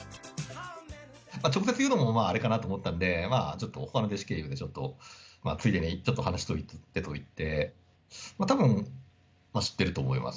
やっぱ、直接言うのもあれかと思ったので、ちょっとほかの弟子経由で、ちょっとついでに話しておいてって言って、たぶん、知っていると思います。